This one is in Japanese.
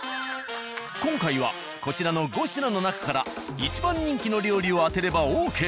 今回はこちらの５品の中から一番人気の料理を当てればＯＫ。